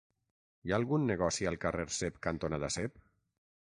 Hi ha algun negoci al carrer Cep cantonada Cep?